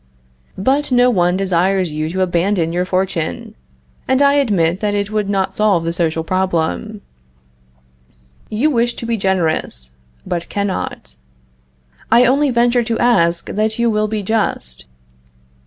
But no one desires you to abandon your fortune, and I admit that it would not solve the social problem. You wish to be generous, but cannot. I only venture to ask that you will be just.